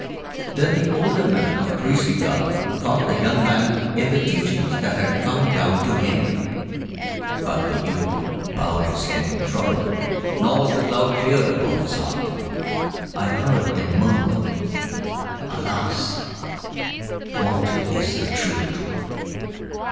Then the older man of priestly garb taught the young man in the teachings that had come down to him. But the youth bowed his head in trouble, nor was the cloud cleared upon his heart. I heard him murmur, "Alas! what is the Truth?"